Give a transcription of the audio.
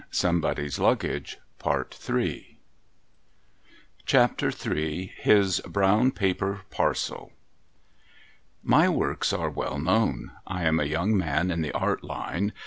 3o6 SOMEBODY'S LUGGAGE CHAPTER III ins RROWX PAPER PARCEL My works are well known. I am a young man in the Art line.